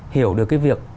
hiểu được cái việc